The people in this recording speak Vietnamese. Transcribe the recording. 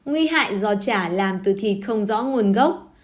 quy hại giò chả làm từ thịt không rõ nguồn gốc